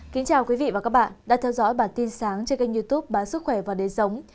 kính chào quý vị và các bạn đã theo dõi bản tin sáng trên kênh youtube bán sức khỏe và đề sống